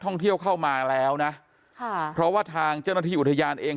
ท่องเที่ยวเข้ามาแล้วนะค่ะเพราะว่าทางเจ้าหน้าที่อุทยานเอง